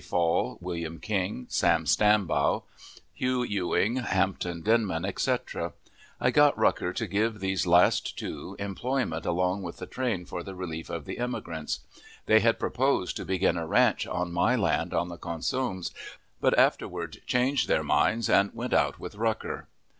Fall, William King, Sam Stambaugh, Hugh Ewing, Hampton Denman, etc. I got Rucker to give these last two employment along with the train for the relief of the immigrants. They had proposed to begin a ranch on my land on the Cosumnes, but afterward changed their minds, and went out with Rucker.